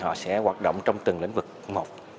họ sẽ hoạt động trong từng lĩnh vực một